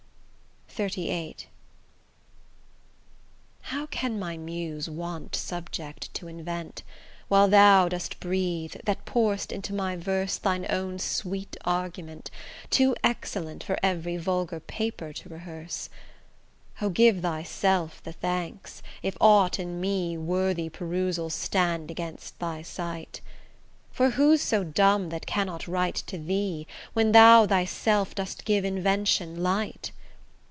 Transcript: XXXVIII How can my muse want subject to invent, While thou dost breathe, that pour'st into my verse Thine own sweet argument, too excellent For every vulgar paper to rehearse? O! give thyself the thanks, if aught in me Worthy perusal stand against thy sight; For who's so dumb that cannot write to thee, When thou thyself dost give invention light?